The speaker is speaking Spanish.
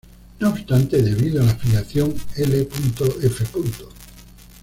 No obstante, debido a la filiación 'L.f.